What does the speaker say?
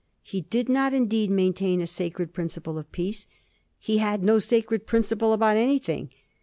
He did not, indeed, main tain a sacred principle of peace : he had no sacred principle about anything.